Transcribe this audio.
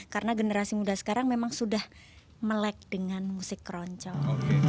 karena generasi muda sekarang memang sudah melek dengan musik keroncong